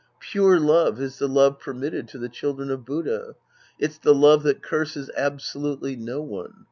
Pure love is the love permitted to the children of Buddha. It's the love that curses abso lutely no one.